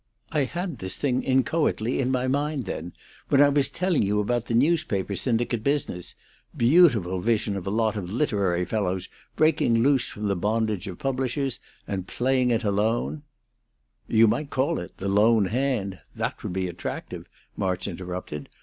I had this thing inchoately in my mind then, when I was telling you about the newspaper syndicate business beautiful vision of a lot of literary fellows breaking loose from the bondage of publishers and playing it alone " "You might call it 'The Lone Hand'; that would be attractive," March interrupted.